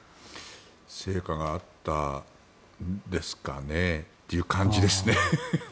成果があったんですかねという感じですね。